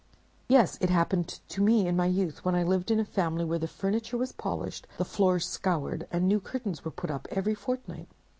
"'Yes, it happened to me in my youth, when I lived in a family where the furniture was polished, the floors scoured, and new curtains were put up every fortnight.